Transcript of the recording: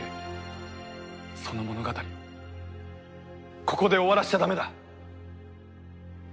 その物語をここで終わらせちゃダメだ！